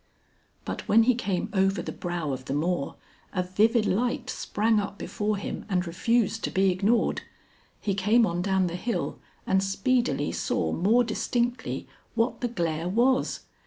But when he came over the brow of the moor, a vivid light sprang up before him and refused to be ignored. He came on down the hill and speedily saw more distinctly what the glare was.